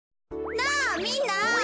なあみんな！